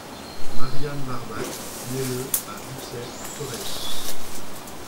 Marie-Anne Barbat naît le à Ussel, en Corrèze.